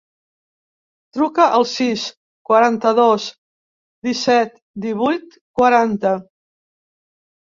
Truca al sis, quaranta-dos, disset, divuit, quaranta.